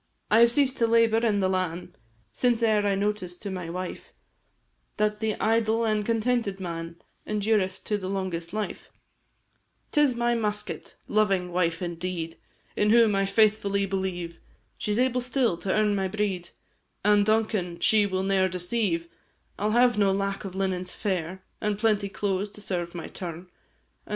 I have ceased to labour in the lan', Since e'er I noticed to my wife, That the idle and contented man Endureth to the longest life. 'Tis my musket loving wife, indeed In whom I faithfully believe, She 's able still to earn my bread, An' Duncan she will ne'er deceive; I 'll have no lack of linens fair, An' plenty clothes to serve my turn, An' trust me that all worldly care Now gives me not the least concern.